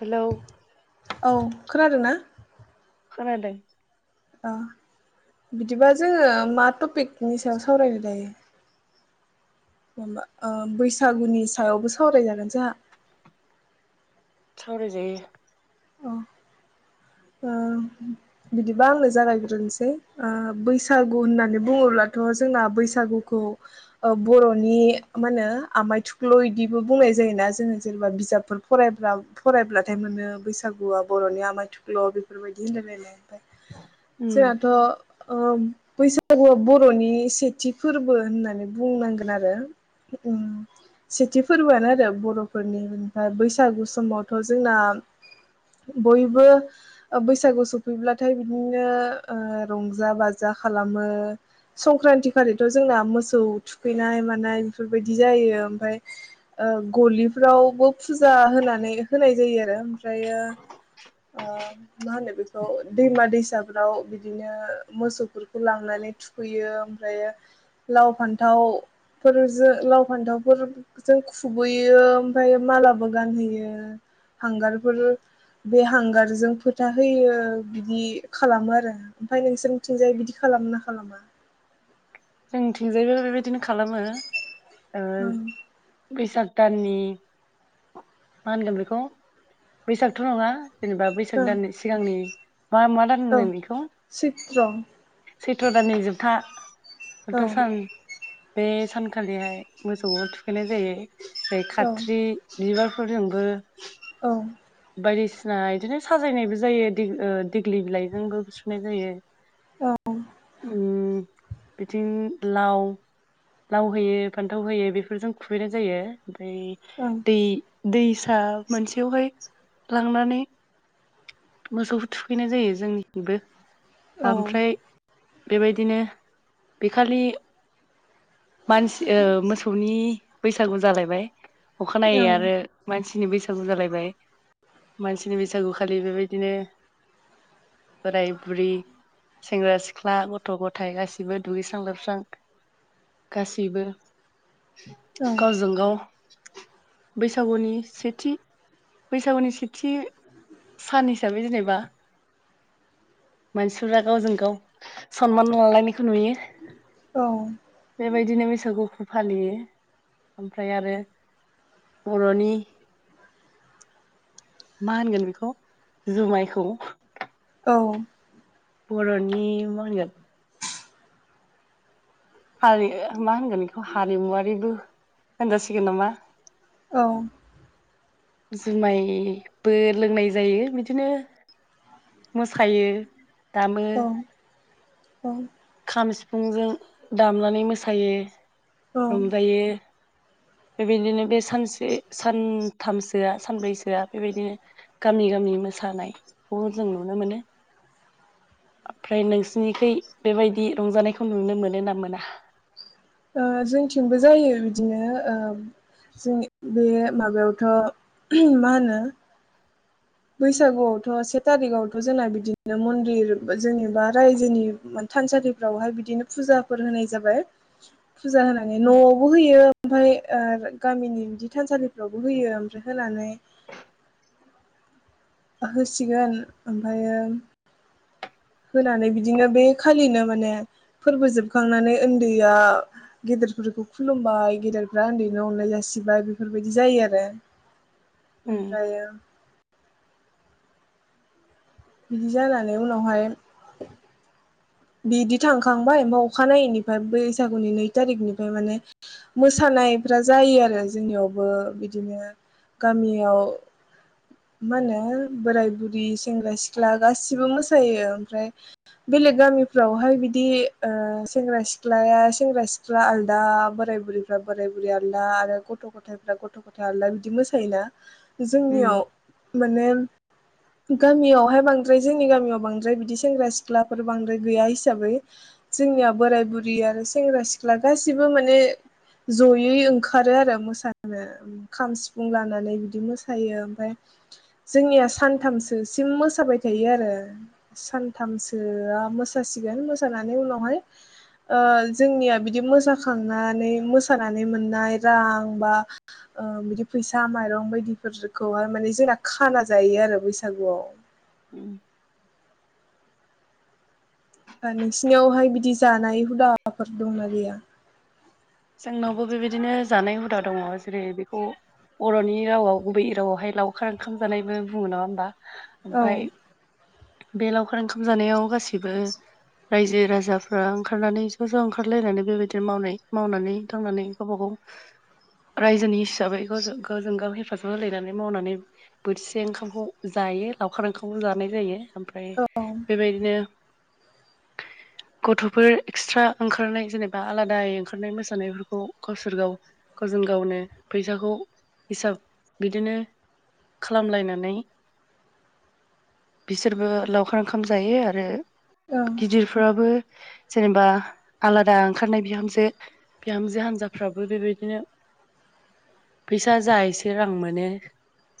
Hello [inaudible] खोनादों ना? खोनादों। ओ बिदिबा जोङो मा टपिकनि सायाव सावरायनो दायो? जेनेबा ओ बैसागुनि सायावबो सावरायजागोन जाहा। सावरायजायो। ओ बिदिबा आंनो जागायग्रोनोसै ओ बैसागु होननानै बुङोब्लाथ' जोंना बैसागुखौ ओ बर'नि मा होनो आमाय थुख्ल' इदिबो बुंनाय जायोना जोङो जेनेबा बिजाबफोर फरायब्ला फरायब्लाथाय मोनो बैसागुआ बर'नि आमाय थुख ख्ल' बेफोरबायदि होनलायलायनाय। उम जोंहाथ' ओ बैसागुआ बर'नि सेथि फोरबो होननानै बुंनांगोन आरो उम सेथि फोरबोआनो आरो बर बर'फोरनि ओमफाय बैसागु स समावथ' जोंना बयबो ओ बैसागु सफैब्लाथाय बिदिनो ओ रंजा-बाजा खालामो संक्रान्ति खालिथ' जोंना मोसौ थुखैनाय मानाय बेफोरबायदि जायो ओमफाय ओ गलिफ्रावबो फुजा होनानै होनाय जायो आरो ओमफ्रायो ओ मा होनो बेखौ दैमा दैसाफ्राव बिदिनो मोसौफोरखौ लांनानै थुखैयो ओमफ्रायो लाव फान्थावफोरजो लाव फान्थावफोरजों खुबैयो ओमफाय मालाबो गानहोयो हांगारफोर बे हांगार जों फोथा होयो बिदि खालामो आरो ओमफाय नोंसोरनिथिंजाय बिदि खालामो ना खालामा? जोंनिथिंजायबो बेबायदिनो खालामो। ओ ओं बैसाग दाननि मा होनगोन बेखौ बैसागथ' नङा। जेनेबा बैसाग ओं दाननि सिगांनि मा मा दान औ होनगोन बेखौ? सैत्र सैथ्र' दाननि जोबथा औ बथा सान। बे सानखालिहाय मोसौखो थुखैनाय जायो। जाय औ खाथ्रि बिबारफोरजोंबो औ बायदिसिना इदिनो साजायनायबो जायो दिग ओ दिग्लि बिलाइजोंबो सुनाय जायो। उम बिथिं लाव, लाव होयो फान्थाव होयो बेफोरजों खुबैनाय जायो ओमफाय औ दै दै सा मोनसेयावहाय लांनानै मोसौखौ थुखैनाय जायो जोंनिथिंबो। औ आमफ्राय बेबायदिनो बे खालि मानसि ओ मोसौनि बैसागु जालायबाय अखानायै आरो मानसिनि बैसागु जालायबाय। मानसिनि बैसागुखालि बेबायदिनो बोराय बुरि सेंग्रा सिख्ला गथ' गथाय गासैबो दुगैस्रां लोबस्रां गासैबो औ गावजों गाव बैसागुनि सेथि बैसागुनि सेथि सान हिसाबै जेनेबा मानसिफोरा गावजों गाव सनमान लालायनायखौ नुयो। औ बेबायदिनो मैसागुखौ फालियो ओमफ्राय आरो बर'नि मा होनगोन बेखौ जुमायखौ औ बर'नि मा होनगोन! हारि मा होनगोन बेखौ हारिमुवारिबो होनजासिगोन नामा! औ जुमायबो लोंनाय जायो बिदिनो मोसायो दामो औ औ खाम सिफुंजों दामनानै मोसायो, औ रंजायो बेबायदिनो बे सानसे सानथामसोआ सानब्रैसोआ बेबायदिनो गामि गामि मोसानायखौ जों नुनो मोनो। आमफ्राय नोंसिनिखै बेबायदि रंजानायखौ नुनो मोनो ना मोना? ओ जोंनिथिंबो जायो बिदिनो ।ओ जों बे माबायावथ' मा होनो बैसागुआवथ' से थारिखावथ' जोंना बिदिनो मन्दिर जेनेबा रायजोनि थानसालिफोरावहाय बिदिनो फुजाफोर होनाय जाबाय, फुजा होनानै न'आवबो होयो ओमफ्राय गामिनि बिदि थानसालिफोरावबो होयो ओमफ्राय होनानै होसिगोन आरो ओमफ्रायो होनानै बिदिनो बे खालिनो माने फोरबोजोबखांनानै उन्दैया गेदेरफोरखौ खुलुमबाय गेदेरफ्रा उन्दैनो अननाय जासिबाय बेफोरबायदि जायो आरो। उम आमफ्रायो बिदि जानानै उनावहाय बिदि थांखांबाय आमफ्राय अखानायैनिफ्राय बैसागुनि नै थारिखनिफ्राय माने मोसानायफ्रा जायोआरो, जोंनियावबो बिदिनो गामियाव मा होनो बोराय बुरि सेंग्रा सिख्ला गासैबो मोसायो आमफ्राय बेलेग गामि फोरावहाय बिदि ओ सेंग्रा सिख्लाया सेंग्रा सिख्ला आलदा बोराय बुरैफ्रा बोराय बुरै आलदा आरो गथ' गथायाइफ्रा गथ' गथायाइ आलदा बिदि मोसायोना जोंनियाव उम माने गामियावहाय बांद्राय जोंनि गामियाव बांद्राय बिदि सेंग्रा सिख्लाफोर बांद्राय गैया हिसाबै जोंनिया बोराय बुरि आरो सेंग्रा सिख्ला गासिबो माने जयै ओंखारो आरो मोसानो खाम सिफुं लानानै बिदि मोसायो ओमफ्राय जोंनिया सानथामसोसिम मोसाबाय थायो आरो सानथामसोआ मोसा मोसासिगोन मोसानानै उनावहाय ओ जोंनिया बिदि मोसाखांनानै मोसानानै मोननाय रां बा बिदि फैसा माइरं बायदिफोरखौहाय माने जोंना खाना जायो आरो बैसागुआव ओम नोंसिनियावहाय बिदि जानाय हुदाफोर दंना गैया? जोंनावबो बेबायदिनो जानाय हुदा दङ जेरै बेखौ बर'नि रावाव गुबै रावआवहाय लावखार ओंखाम जानायबो बुङो नङा होमबा औ ओमफ्राय बे लावखार ओंखाम जानायाव गासैबो रायजो राजाफ्रा ओंखारनानै ज' ज' ओंखारलायनानै बेबायदि मावनाय मावनानै दांनानै गावबा गाव रायजोनि हिसाबै गावजों गाव हेफाजाब होलायनानै मावनानै बोथिसे ओंखामखौ जायो लावखार ओंखामखौ जानाय जायो ओमफ्राय औ बेबायदिनो गथ'फोर एक्सट्रा ओंखारनाय जेनेबा आलादायै ओंखारनाय मोसानायफोरखौ गावसोर गाव गावजों गावनो फैसाखौ हिसाब बिदिनो खालामलायनानै बिसोरबो लावखार ओंखाम जायो आरो ओं गिदिरफ्राबो जेनेबा आलादा ओंखारनाय बिहामजो बिहामजो हान्जाफ्राबो बेबायदिनो फैसा जा एसे रां मोनो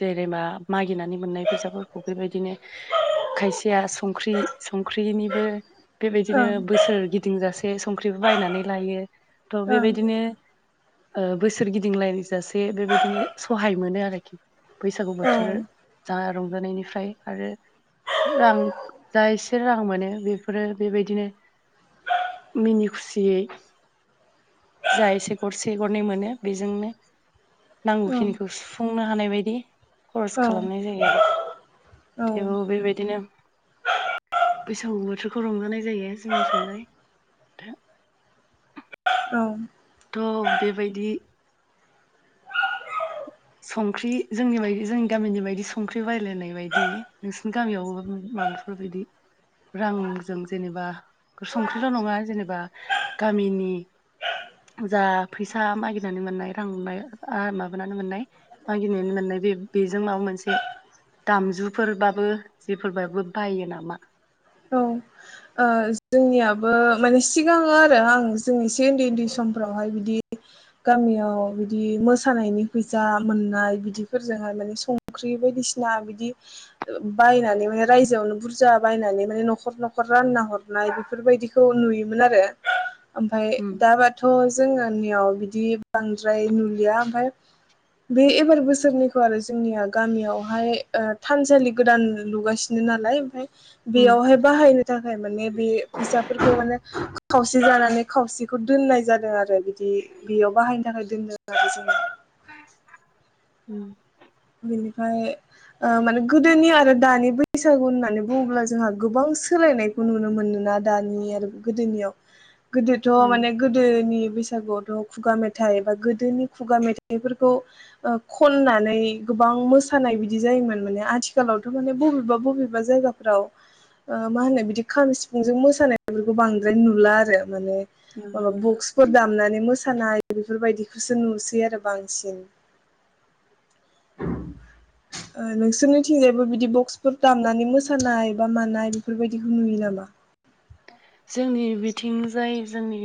जेरेबा मागिनानै मोननाय फैसाफोरखौ बेबायदिनो खायसेया संख्रि संख्रिनिबो बेबायदिनो बोसोर गिदि गिदिंजासे संख्रिबो बायनानै लायो। थ' ओं औ बेबायदिनो बोसोर गिदिंलाय जाासे बेबायदिनो सहाय मोनो आरोखि बैसागु बोथोर जा आर जानायनिफ्राय आरो रां जा एसे रां मोनो बेफोरो बेबायदिनो मिनि खुसियै जा एसे गरसे गरनै मोनो बेजोंनो नांगौखिनिखौ औ बुंनो हानाय बायदि करस खालामनाय जायो आरो औ थेवबो बेबायदिनो बैसागु बोथोरखौ रंजानाय जायो जोंनिथिंजाय औ थ' बेबायदि संख्रि जोंनि बायदि जोंनि गामिनि बायदि संख्रि बायलायनाय बायदि नोंसिनि गामियाव माबाफोरबायदि रांजों जेनेबा संख्रिल' नङा जेनेबा गामिनि जा फैसा मागिनानै मोननाय रां [unintelligible] आ माबानानै मोननाय। मागिनानै मोननाय बे-बेजों माबा मोनसे दामजुफोरबाबो जेफोरबाबो बायो नामा? औ ओ जोंनियाबो माने सिगाङो आरो आं जोंनि एसे उन्दै उन्दै समफ्रावहाय बिदि गामियाव बिदि मोसानायनि फैसा मोननाय बिदिफोरजोंहाय माने संख्रि बायदिसिना बिदि बायनानै रायजोआवनो बुरजा बायनानै न'खर न'खर रान्ना हरनाय बेफोरबायदिखौ नुयोमोन आरो। ओमफ्राय उम दाबाथ' जोङानियाव। बिदि बांद्राय नुलिया ओमफ्राय बे एबार बोसोरनैखौ आरो जोंनिया गामियावहाय थानसालि गोदान लुगासिनो नालाय ओमफ्राय उम बेयावहाय बाहायनो थाखाय माने बे फैसाफोरखौ माने खावसे जानानै खावसे बेखौ दोननाय जादों आरो बिदि बेयाव बाहायनो थाखाय दोनदों [unintelligible] उम बिनिफ्राय ओ माने गोदोनि आरो दानि बैसागु होननानै बुङोब्ला जोंहा गोबां सोलायनायखौ नुनो मोनोना दानि आरो गोदोनियाव गोदोथ' उम माने गोदोनि बैस बैसागुआवथ खुगा मेथाइ बा गोदोनि खुगा मेथाइफोरखौ ओ खननानै गोबां मोसानाय बिदि जायोमोन माने आथिखालावथ' माने बबेबा बबेबा जायगाफ्राव ओ मा होनो बिदि खाम सिफुंजों मोसानायफोरखौ बांद्राय नुला आरो । माने नुनो माबा मोनला बुक्सफोर दामनानै मो मोसानाय बेफोरबायदिखौसो नुसै आरो बांसिन नोंसोरनिथिंजायबो बिदि बक्सफोर दामनानै मोसानाय बा मानाय बेफोरबायदिखौ नुयो नामा? जोंनि बिथिं जाय जोंनि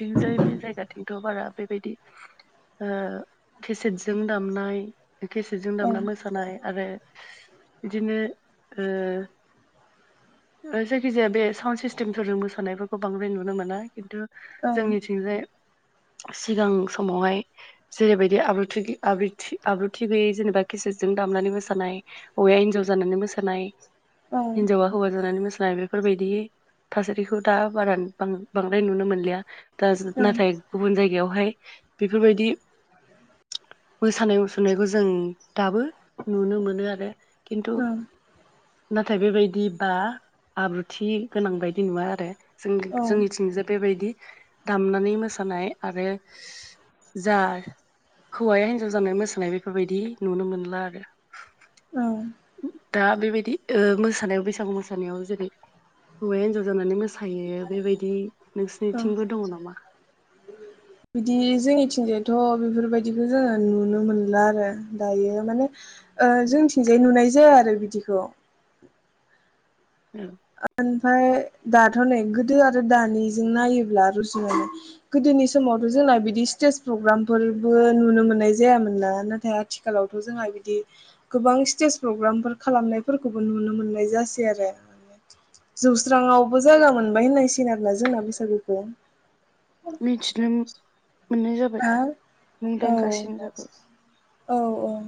जों बे जायगाथिं थ' बारा बेबायदि ओ केेसेटजों दामनाय एखेसे जों औ दामना मोसानाय आरो बिदिनो ओ जायखिजाया बे साउन्ड सिस्टेम जोलों मोसानायफोरखौ बांद्राय नुनो मोना। खिन्थु ओं जोंनिथिंजाय सिगां समावहाय जेरैबायदि आब्रुथिै आबथि आब्रुथि गैयै जेनेबा खिसजों दामनानै मोसानाय हौवाया हिनजाव जानानै मोसानाय औ ओं हिनजावा हौवा जानानै मोसानाय जा बेफोरबायायदि थासारिखौ दा बारा बा बांद्राय नुनो मोनलिया दाज नाथाय गुबुन जायगायावहाय बेफोरबायदि मोसानाय मुसुरनायखौ जों दाबो नुनो मोनो आरो । खिन्थु ओं नाथ बेबायदि बा आब्रुथि गोनां बायदि बिदि नुवा आरो । जों औ जोंनिथिंज बेबायदि दामनानै मोसानाय आरो जा हौवाया हिनजाव जानानै मोसानाय बेफोरबायदि नुनो मोनला आरो औ । दा बेबायदि ओ मोसानायाव बैसागु मोसानायाव जेरै हौवाया हिनजाव जानानै मोसायो बेबायदि औ नोंसनिथिंबो दङ नामा? बिदि जोंनिथिंजायथ' बेफोरबायदिखौ जोङो नुनो मोनला आरो दायो माने ओ जोंनिथिंजाय नुनाय जाया आरो बिदिखौ । औ [unintelligible] ओमफ्राय दाथ' नै गोदो आरो दानिजों नायोब्ला रुजुनानै गोदोनि समावथ' जोंना बिदि स्टेज प्रग्रामफोरबो नुनो मोननाय जायामोन ना नाथाय आथिखालावथ' जोंहा बिदि गोबां स्टेज प्रग्रामफोर खालामनायफोरखौबो नुनो मोननाय जासै आरो। जौस्रांवबो जायगा मोनबाय होननायसिन आरोना जोंना बैसागुखौ । मिथिनोम मोननाय जाबाय हा औ मुंदांखासिन जाबाय । औ औ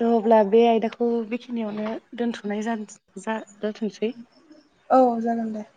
थ' अब्ला बे आयदाखौ बेखिनियावनो दोनथ'नाय जानो जा औ जागोन दे ।